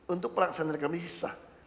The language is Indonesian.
untuk pelaksanaan reklamasi masih sah